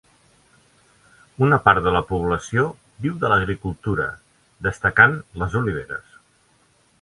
Una part de la població viu de l'agricultura, destacant les oliveres.